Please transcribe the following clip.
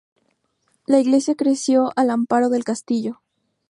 La iglesia creció al amparo del castillo.